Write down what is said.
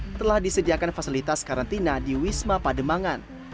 setelah disediakan fasilitas karantina di wisma pademangan